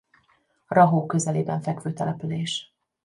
Rahó közelében fekvő település.